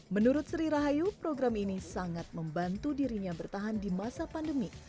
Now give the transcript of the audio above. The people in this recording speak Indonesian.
menurut sri rahayu program ini sangat membantu dirinya bertahan di masa pandemi